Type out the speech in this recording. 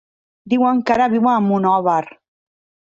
Diuen que ara viu a Monòver.